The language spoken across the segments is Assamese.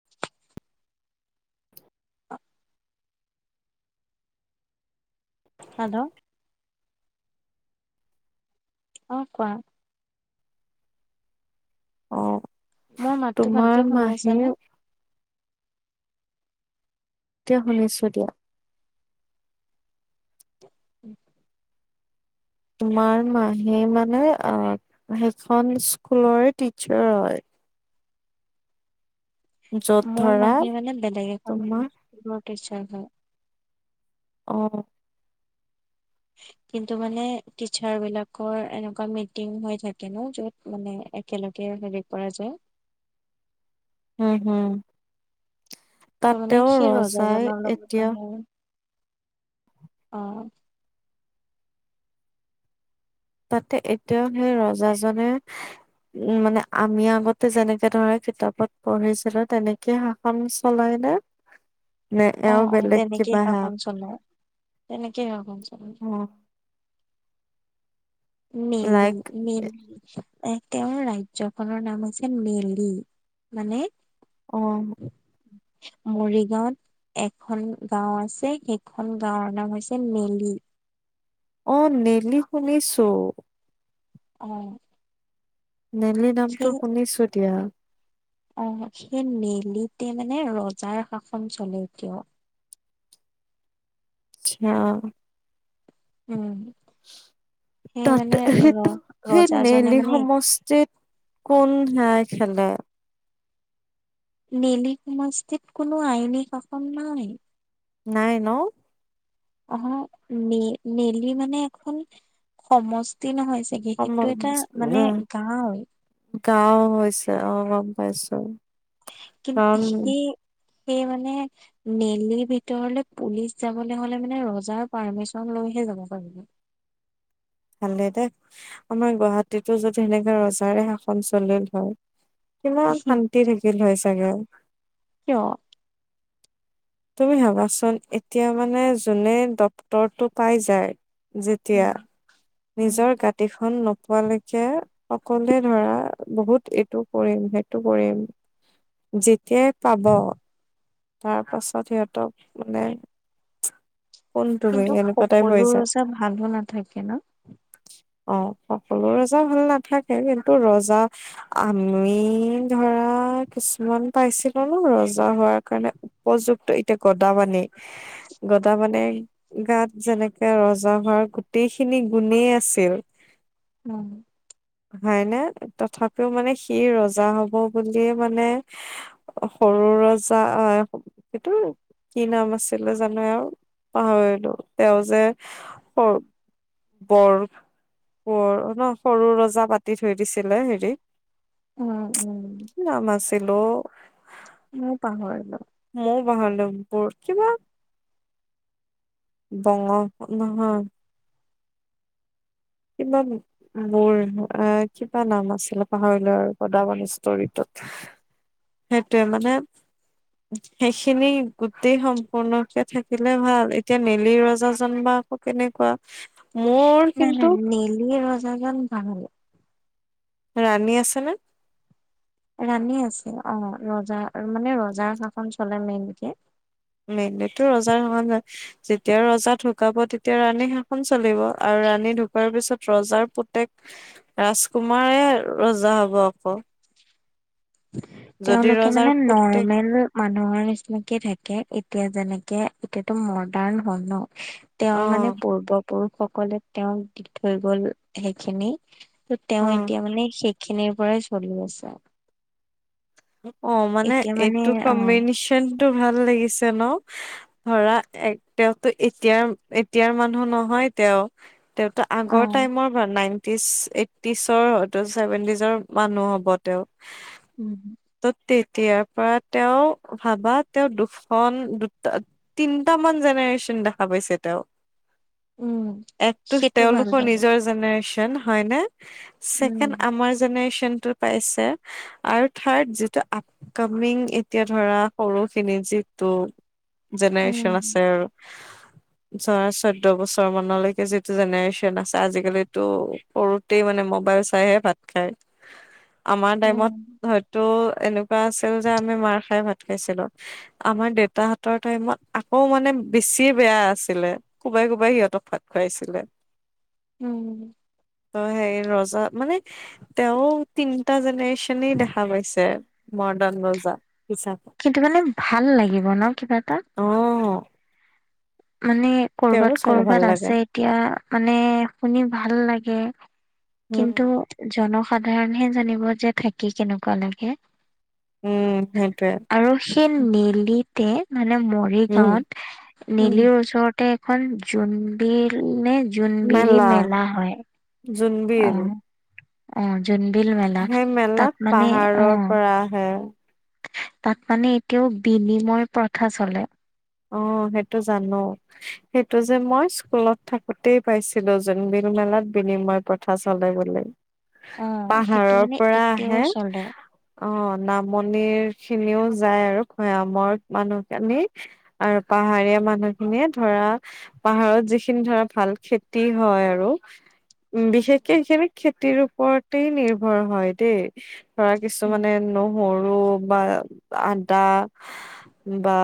[inaudible] [inaudible] হাল্ল অ কোৱা অ মোৰ মাতটো তোমাৰ ভালকে শুনি মাহী আছানে? এতিয়া শুনিছো দিয়া [inaudible] তোমাৰ মাহীয়ে মানে অ সেইখন স্কুলৰে টিচাৰ হয়। য'ত মোৰ ধৰা মাহীয়ে মানে বেলেগ এখন তোমাৰ স্কুলৰ টিচাৰ হয়। অঁ কিন্তু মানে টিচাৰ বিলাকৰ এনেকুৱা মিটিং হৈ থাকে ন য'ত মানে একেলগে হেৰি কৰা যায় হম হম ত মানে তাতেও সেই ৰজাই ৰজাজনৰ লগত এতিয়া মানে, অ তাতে এতিয়াও সেই ৰজাজনে উম, মানে আমি আগতে যেনেকে ধৰা কিতাপত পঢ়িছিলো তেনেক শাসন চলাই নে নে অ এওঁ অ বেলেগ কিবা হে? [unintelligible] তেনেকেই আও [unintelligible] অ' মেইলি লাইক মেইলি এ তেওঁৰ ৰাজ্যখনৰ নাম আছিল মেলি, মানে অ' মৰিগাঁওত এখন গাঁও আছে সেইখন গাঁওৰ নাম হৈছে মেলি অ', নেলি শুনিছোঁ অ' নেলি নামটো সেই শুনিছো দিয়া অ', সেই নেলিতে মানে ৰজাৰ শাসন চলে এতিয়াও আচ্ছা উম সেই তাত মানে ৰ সেইটো সেই ৰজাজনে নেলি মানে সমষ্টিত কোন সেয়াই [unintelligible] নেলি সমষ্টিত কোনো আইনী শাসন নাই নাই ন? অহ', নেলি মানে এখন সমষ্টি নহয়। নেকি সম এইটো এটা মানে গাঁৱেই গাওঁ হৈছে আহ' গম পাইছোঁ কিন্ত সেই সেই মানে নেলিৰ ভিতৰলে পুলিচ যাবলৈ হলে মানে ৰজাৰ পাৰ্মিচন লৈহে যাব পাৰিব ভালেই দে, আমাৰ গুৱাহাটীতো যদি সেনেকা ৰজাৰে শাসন চলিল হয় কিমান শান্তি থাকিল হয় চাগে কিয়? তুমি ভাবাচোন? এতিয়া মানে যোনে ডক্টৰ টো পাই যায় যেতিয়া উম উম নিজৰ গাঁদিখন নোপোৱালৈকে সকলোৱে ধৰা বহুত এইটো কৰিম সেইটো কৰিম, যেতিয়াই পাব, তাৰ পাছত সিহঁতক মানে? কোন তুমি কিন্তু এনেকুৱা টাইপ হৈ সকলো যায় ৰজা ভালো নাথাকে ন? অ', সকলো ৰজা ভাল নাথাকে কিন্তু ৰজা আমি ধৰা কিছুমান পাইছিলো ন ৰজা হোৱাৰ কাৰণে উপযুক্ত এতিয়া গদাপানী, গদাপানীৰ গাত যেনেকে ৰজা হোৱাৰ গোটেইখিনি গুণেই আছিল উম হয় নে তথাপিও মানে সি ৰজা হব বুলিয়ে মানে? সৰু ৰজা! আহ'সেইটোৰ কি নাম আছিলে জানো এওৰ পাহৰিলো তেওঁ যে সৰ বৰফ্ কোঁৱৰ ন? সৰু ৰজা পাতি থৈ দিছিলে হেৰি উম, উম কি নাম আছিল অ' মই পাহৰিলো? মইয়ো পাহৰিলো বুৰ কিবা বঙহ নহয় কিমান? মোৰ এ কিবা নাম আছিলে পাহৰিলো আৰু গদাপাণি ষ্টৰিটোত। সেইটোৱে মানে সেইখিনি গোটেই সম্পূৰ্ণকে থাকিলে ভাল এতিয়া নেলি ৰজাজন বা আকৌ কেনেকুৱা? মোৰ নাই কিন্তু নাই মেলি ৰজাজন ভাল। ৰাণী আছেনে? ৰাণী আছে, অ ৰজা মানে ৰজাৰ শাসন চলে মেইনকে। মেইনলিটো ৰজাৰ শাসনে, যেতিয়া ৰজা ঢুকাব তেতিয়া ৰাণী শাসন চলিব। আৰু ৰাণী ঢুকোৱাৰ পিছত ৰজাৰ পুতেক ৰাজকুমাৰে ৰজা হ'ব আক। তেওঁলোকে ৰজাৰ মানে পুতেক নৰ্মেল মানুহৰ নিচিনাকে থাকে এতিয়া যেনেকে এতিয়াতো মডাৰ্ণ হ'ল ন। অ তেওঁৰ মানে পূৰ্বপুৰুষসকলে তেওঁক দি থৈ গ'ল সেইখিনি সেইট অ তেওঁ এতিয়া মানে সেইখিনিৰ পৰাই চলি আছে আও। অ মানে এতিয়া এইটো অ কম্বিনেশনটো ভাল লাগিছে ন? ধৰা এ তেওঁতো এতিয়াৰ এতিয়াৰ মানুহ নহয় তেওঁ তেওঁটা অ আগৰ টাইমৰ নাইনটিচ এইটিচৰ হয়তো ছেভেন্টিচৰ মানুহ হ'ব তেওঁ। উম। ত তেতিয়াৰ পৰা তেওঁ ভাবা তেওঁ দুখন দুটা তিনিটামান জেনেৰেশ্যন দেখা পাইছে তেওঁ। উম একতো সেইটো ভাল তেওঁলোকৰ বাৰু নিজৰ জেনেৰেশ্যন হয়নে উম ছেকেণ্ড আমাৰ জেনেৰেশ্যনটো পাইছে আৰু থাৰ্ড যি আপকামিং এতিয়া ধৰা সৰুখিনি যিটো উম জেনেৰেচন আছে আৰু ধৰা চৈধ্য বছৰ মানলৈকে যিটো জেনেৰেচন আছে আজিকালিতো সৰুতেই মানে মোবাইল চাইহে ভাত খায়। আমাৰ উম টাইমত হয়তো এনেকুৱা আছিল যে আমি মাৰ খাই ভাত খাইছিলো। আমাৰ দেউতাহঁতৰ টাইমত আকৌ মানে বেছিয়ে বেয়া আছিলে। কোবাই কোবাই সিহঁতক ভাত খুৱাইছিলে। ওম। ত সেই ৰজা মানে তেওঁ তিনটা জেনেৰেচনেই দেখা পাইছে। মৰ্ডাণ ৰজা হিচাপে। কিন্তু মানে ভাল লাগিব ন কিবা এটা? অ মানে তেওঁৰো কৰ'বাত চাগে ভাল কৰ'বাত লাগে আছে। এতিয়া মানে শুনি ভাল লাগে। উম কিন্তু জন সাধাৰণহে জানিব যে থাকি কেনেকুৱা লাগে। উম, সেইটোৱে। আৰু সেই নেলিতে মানে উম মৰিগাঁৱত উম নেলিৰ ওচৰতে খন জোন বিল নে জোনবিৰি মেলা হয়, জোনবিল অহ। অ জোনবিল মেলা তাত মানে অ কা হে তাত মানে এতিয়াও বিনিময় প্ৰথা চলে। অঁ সেইটো জানো সেইটো যে মই স্কুলত থাকোতেই পাইছিলো জোনবিল মেলাত বিনিময় প্ৰ থা চলে বুলি, অ সেইটো পাহাৰৰ মানে পৰা এতিয়াও আহে। চলে অ নামনিৰ খিনিও যায় আৰু ভৈয়ামৰ মানুহখিনি আৰু পাহাৰীয়া মানুহ খিনিয়ে ধৰা পাহাৰত যিখিনি ধৰা ভাল খেতি হয় আৰু উম বিশেষকে সেইখিনি খেতিৰ ওপৰতে নিৰ্ভৰ হয় দেই। ধৰা উম কিছুমানে ন হৰু বা আদা বা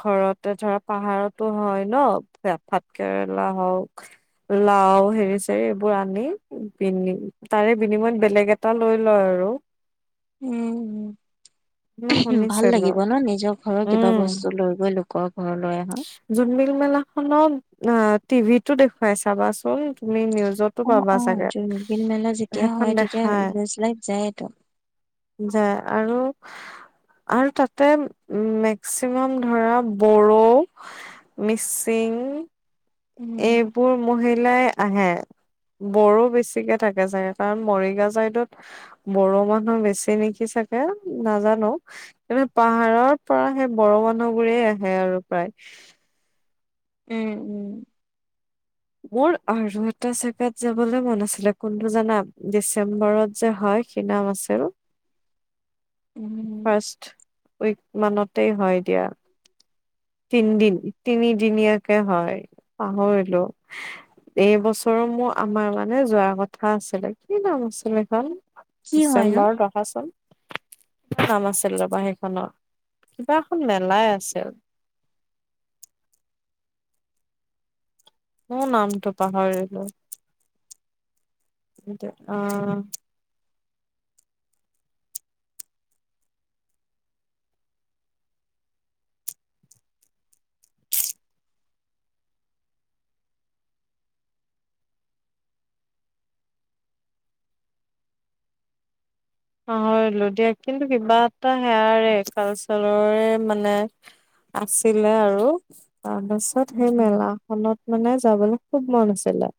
ঘৰতে ধৰা পাহাৰতো হয় ন ভাত কেৰেলা হওক লাও হেৰি চেৰি এইবোৰ আনি পিনে তাৰে বিনিময়ত বেলেগ এটা লৈ লয় আৰু। [inaudible] উম মই ভাল শুনিছিলো লাগিব ন নিজৰ ঘৰৰ কিবা উম বস্তু লৈ গৈ লোকৰ ঘৰলৈ আহক জোনমিল মেলাখনত অ টিভিতো দেখুৱাই চাবাচোন তুমি নিউজত অ অ জোনবিল মেলা যেতিয়া হয় তেতিয়া দেখাই লেজ লাইট যায় তো। যায় আৰু আৰু তাতে মেক্সিমাম ধৰা বড়ো মিচিং উম। এইবোৰ মহিলাই আহে বড়ো বেছিকে থাকে চাগে কাৰণ মৰিগাঁও চাইদত বড়ো মানুহ বেছি নেকি চাগে নাজানো পাহাৰৰ পৰা সেই বড়ো মানুহবোৰেই আহে আৰু প্ৰায় উম উম মোৰ আৰু এটা জেগাত যাবলৈ মন আছিলে কোনটো জানা ডিচেম্বৰত যে হয় কি নাম আছিল উম ফাৰ্ষ্ট উইক মানতেই হয় দিয়া তিনদিন তিনিদিনীয়াকে হয়, পাহৰিলো। এইবছৰো মোৰ আমাৰ মানে যোৱাৰ কথা আছিলে কি নাম আছিলে সেইখন কি হয় নো? ডিচেম্বৰত ৰবা চোন কিবা নাম আছিল ৰবা সেইখনৰ কিবা এখন মেলাই আছিল মইও নামটো পাহাৰিলো আঁহ পাহৰিলো দিয়া কিন্তু কিবা এটা সেয়াৰে কালচাৰৰে মানে আছিলে আৰু তাৰপিছত সেই মেলা উম। সেইখনত মানে যাবলৈ খুব মন আছিলে।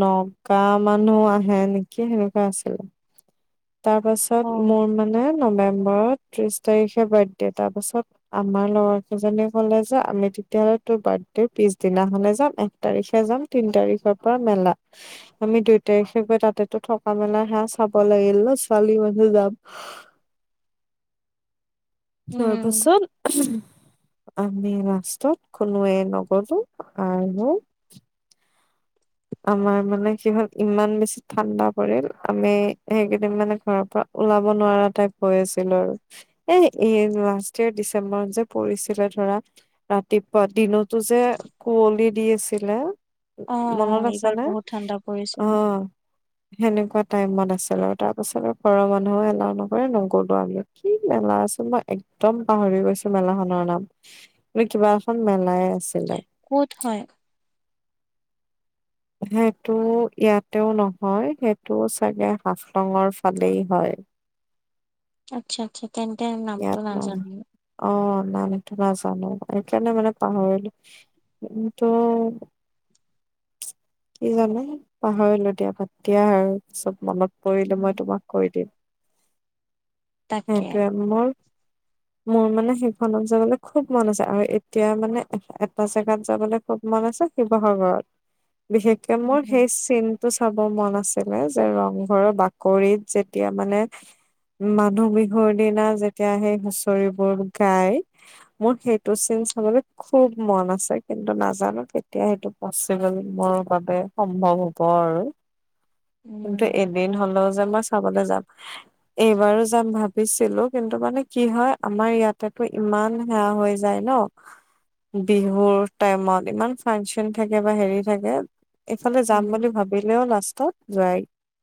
নগা মানুহ আহে নেকি সেনেকুৱা আছিলে। অ তাৰপাছত মোৰ মানে নৱেম্বৰত ত্ৰিশ তাৰিখে বাৰ্থডে তাৰপাছত আমাৰ লৰা কেইজনে কলে যে আমি তেতিয়াহলে তোৰ বাৰ্থডেৰ পিছদিনাখনে যাম এক তাৰিখে যাম তিন তাৰিখৰ পৰা মেলা আমি দুই তাৰিখেৰ পৰা তাতেতো থকা মেলা হে চাব লাগিল ন ছোৱালী মানুহ যাম উম তাৰপাছত আমি লাষ্টত কোনোৱে নগলো আৰু আমাৰ মানে কি হল ইমান বেছি ঠাণ্ডা পৰিল আমি সেইকেইদিন মানে ঘৰৰ পৰা ওলাব নোৱাৰা টাইপ হৈ আছিলো আৰু। এ এ লাষ্ট ইয়েৰ ডিচেম্বৰত যে পৰিছিলে ধৰা। ৰাতিপুৱা দিনতো যে কুঁৱলী দি আছিলে। অ', মনত অ', আছে এইবাৰ নে? বহুত ঠাণ্ডা অ পৰিছিলে সেনেকুৱা টাইমত আছিল আৰু তাৰ পাছত আৰু ঘৰৰ মানুহো এলাও নকৰে নগ'লো আমি। কি মেলা আছিল মই একদম পাহৰি গৈছো মেলাখনৰ নাম। এটা কিবা এখন মেলাই আছিলে। ক'ত হয়? সেইটো ইয়াতেও নহয় সেইটো চাগে হাফলঙৰ ফালেই হয়। আচ্ছা আচ্ছা তেন্তে নামটো ইয়াত নাই, নাজানো। অ', নামটো নাজানো সেইকাৰণে মানে পাহৰিলোঁ। উম, ত' কি জানো পাহৰিলো দিয়া বাদ দিয়া আৰু পিছত মনত পৰিলো উম মই তোমাক কৈ দিম। তাকে সেইটোৱে মোৰ মোৰ মানে সেইখনত যাবলৈ খুব মন আছে আৰু এতিয়া মানে এটা জেগাত যাবলৈ খুব মন আছে শিৱসাগৰত বিশেষকে মোৰ উম সেই চিন টো চাব মন আছিলে যে ৰংঘৰৰ বাকৰিত যেতিয়া মানে মানুহ বিহুৰ দিনা যেতিয়া সেই হুচৰিবোৰ গায়। মোৰ সেইটো চিন চাবলৈ খুব মন আছে। কিন্তু নাজানো কেতিয়া সেইটো প'চিবোল মোৰ বাবে সম্ভৱ হ'ব আৰু। উম কিন্তু এদিন হ'লেও যে মই চাবলৈ যাম। এইবাৰো যাম ভাবিছিলো। কিন্তু মানে কি হয় আমাৰ ইয়াতেটো ইমান হেয়া হৈ যায় ন। বিহুৰ টাইমত ইমান ফাংচন থাকে বা হেৰি থাকে। এইফালে যাম উম। বুলি ভাবিলেও লাষ্টত যোৱাই